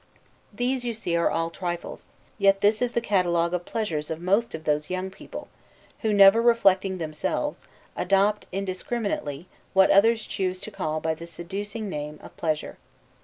These, you see, are all trifles; yet this is the catalogue of pleasures of most of those young people, who never reflecting themselves, adopt, indiscriminately, what others choose to call by the seducing name of pleasure.